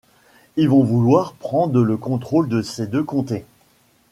Ils vont vouloir prendre le contrôle de ces deux comtés.